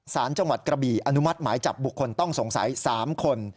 สารจังหวัดกระบี่อนุมัติหมายจับบุคคลต้องสงสัย๓คน